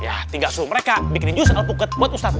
ya tinggal suruh mereka bikinin just alpuket buat ustaz ustaz